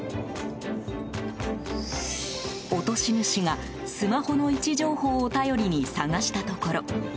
落とし主が、スマホの位置情報を頼りに探したところ